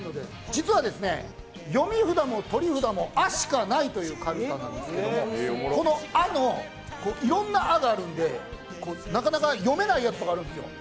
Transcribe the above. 実は読み札も取り札も「あ」しかないというかるたなんですけど、この「あ」のいろんな「あ」があるんでなかなか読めないやつがあるんですよ。